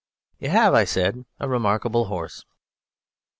"You have," said I, "a remarkable horse."